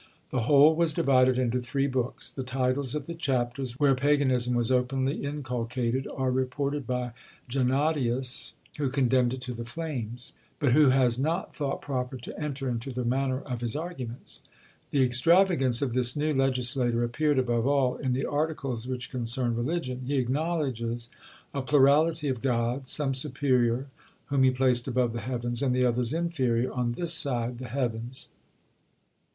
The whole was divided into three books. The titles of the chapters where paganism was openly inculcated are reported by Gennadius, who condemned it to the flames, but who has not thought proper to enter into the manner of his arguments. The extravagance of this new legislator appeared, above all, in the articles which concerned religion. He acknowledges a plurality of gods: some superior, whom he placed above the heavens; and the others inferior, on this side the heavens.